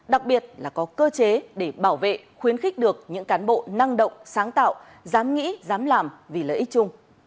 đặc biệt là có cơ chế để bảo vệ khuyến khích được những cán bộ năng động sáng tạo dám nghĩ dám làm vì lợi ích chung